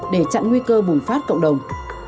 để chặn nguy cơ bùng phát cộng đồng